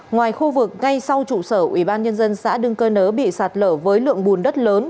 ngoài khu vực ngay sau trụ sở ủy ban nhân dân xã đương căn nớ bị sạt lở với lượng bùn đất lớn